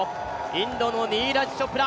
インドのニーラジ・チョプラ。